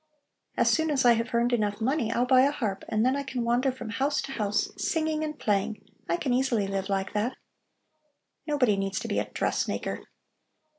As soon as I have earned enough money, I'll buy a harp and then I can wander from house to house, singing and playing. I can easily live like that. Nobody needs to be a dressmaker.